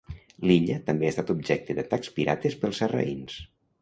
L'illa també ha estat objecte d'atacs pirates pels sarraïns.